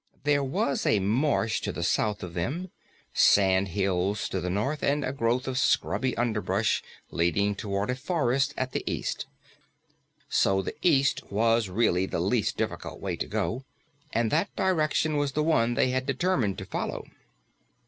There was a marsh at the south of them, sandhills at the north, and a growth of scrubby underbrush leading toward a forest at the east. So the east was really the least difficult way to go, and that direction was the one they had determined to follow.